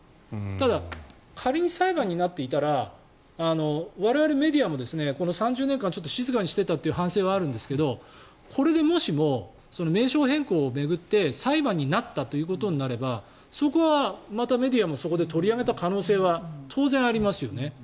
ただ仮に裁判になっていたら我々メディアもこの３０年間静かにしていたという反省はあるんですけどこれでもしも名称変更を巡って裁判になったということになればそこはまたメディアもそこで取り上げた可能性は当然ありますよね。